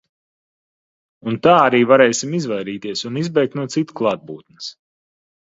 Un tā arī varēsim izvairīties un izbēgt no citu klātbūtnes.